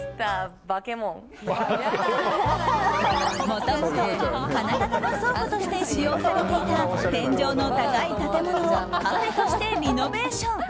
もともと金型の倉庫として使用されていた天井の高い建物をカフェとしてリノベーション。